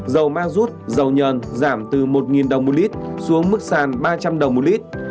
dầu ma rút dầu nhờn giảm từ một đồng một lít xuống mức sàn ba trăm linh đồng một lít